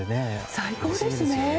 最高ですね！